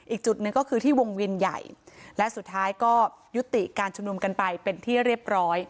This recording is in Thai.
อีกจุดหนึ่งก็คือที่วงเวียนใหญ่และสุดท้ายก็ยุติการชุมนุมกันไปเป็นที่เรียบร้อย